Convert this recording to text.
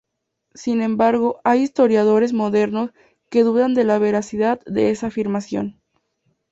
Sin embargo hay historiadores modernos que dudan de la veracidad de esa afirmación.